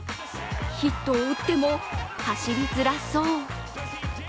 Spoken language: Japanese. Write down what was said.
ヒットを打っても走りづらそう。